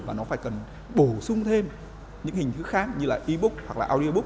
và nó phải cần bổ sung thêm những hình thứ khác như là e book hoặc là audiobook